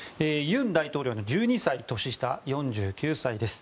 尹大統領の１２歳年下４９歳です。